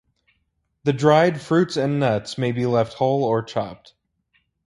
The dried fruits and nuts may be left whole or chopped.